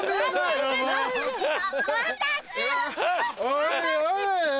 おいおい！